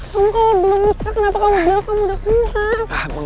kamu kalau belum bisa kenapa kamu belok kan udah kelihatan